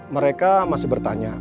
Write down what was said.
mereka masih bertanya